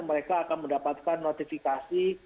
mereka akan mendapatkan notifikasi